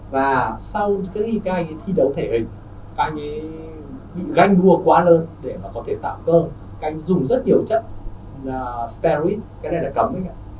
và sau khi các anh ấy thi đấu thể hình các anh ấy bị ganh đua quá lớn để mà có thể tạo cơ các anh ấy dùng rất nhiều chất steroid cái này là cấm anh ạ